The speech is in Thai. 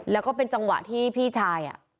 แล้วก็เป็นจังหวะที่พี่ชาย